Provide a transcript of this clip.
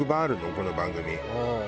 この番組。